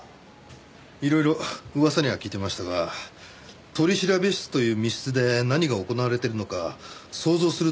いろいろ噂には聞いてましたが取調室という密室で何が行われているのか想像する